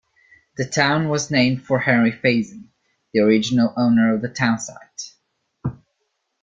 The town was named for Henry Faison, the original owner of the town site.